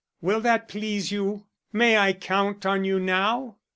Will that please you? May I count on you now?"